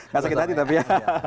gak sakit hati tapi ya